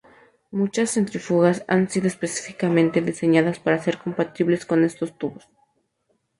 Muchas centrífugas han sido específicamente diseñadas para ser compatibles con estos tubos.